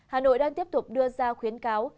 hà nội đang tiếp tục đưa ra khuyến cáo